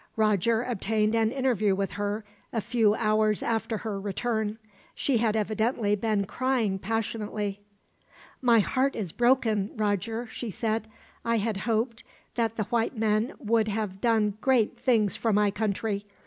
Roger obtained an interview with her, a few hours after her return. She had evidently been crying passionately. "My heart is broken, Roger," she said. "I had hoped that the white men would have done great things for my country.